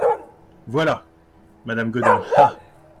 Voilà ! madame gaudin Ah !